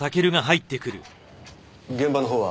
現場のほうは？